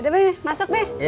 ya deh be masuk be